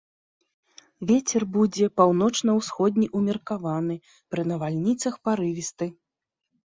Вецер будзе паўночна-ўсходні ўмеркаваны, пры навальніцах парывісты.